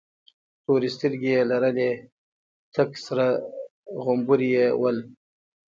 تورې سترگې يې لرلې، تک سره غمبوري یې ول.